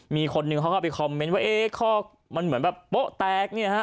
มีคนหนึ่งเขาก็ไปคอมเมนต์ว่าเอ๊ะข้อมันเหมือนแบบโป๊ะแตกเนี่ยฮะ